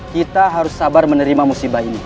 kita harus sabar menerima musibah ini